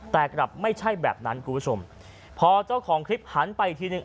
แต่กลับไม่ใช่แบบนั้นคุณผู้ชมพอเจ้าของคลิปหันไปอีกทีหนึ่ง